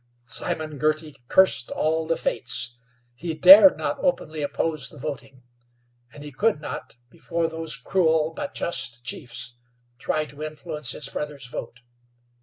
Simon Girty cursed all the fates. He dared not openly oppose the voting, and he could not, before those cruel but just chiefs, try to influence his brother's vote.